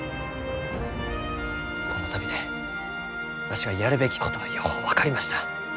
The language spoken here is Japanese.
この旅でわしがやるべきことはよう分かりました。